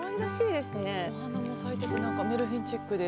お花も咲いてて何かメルヘンチックで。